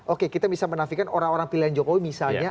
oke kita bisa menafikan orang orang pilihan jokowi misalnya